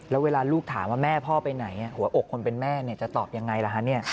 แล้วเวลาลูกถามว่าแม่พ่อไปไหนหัวอกคนเป็นแม่จะตอบยังไงล่ะฮะ